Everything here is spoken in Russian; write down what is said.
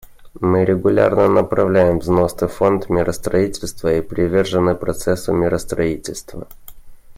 Мы регулярно направляем взносы в Фонд миростроительства и привержены процессу миростроительства.